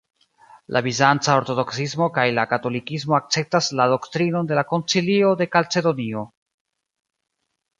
La bizanca ortodoksismo kaj la katolikismo akceptas la doktrinon de la Koncilio de Kalcedonio.